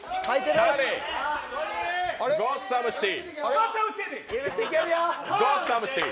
ゴッサムシティ。